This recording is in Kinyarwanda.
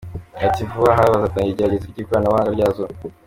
Ati “ Vuba aha bazatangira igeregeza ry’ikoranabuhanga ryazo.